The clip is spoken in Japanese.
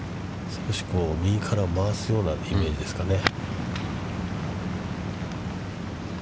少しこう右から回すようなイメージですかね。